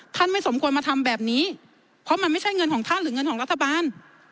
ไม่สมควรมาทำแบบนี้เพราะมันไม่ใช่เงินของท่านหรือเงินของรัฐบาล